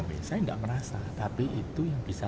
saya nggak merasa tapi itu yang bisa